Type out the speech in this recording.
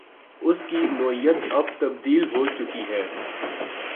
اس کی نوعیت اب تبدیل ہو چکی ہے۔